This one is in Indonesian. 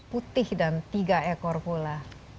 putih dan tiga ekor pula